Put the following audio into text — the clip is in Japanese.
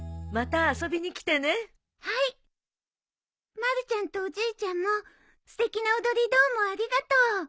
まるちゃんとおじいちゃんもすてきな踊りどうもありがとう。